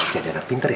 jadi anak pinter ya